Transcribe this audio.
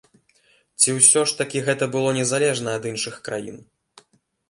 Ці ўсё ж такі гэта было незалежна ад іншых краін?